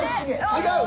違う。